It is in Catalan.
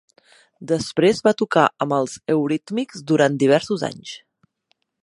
Després va tocar amb els Eurythmics durant diversos anys.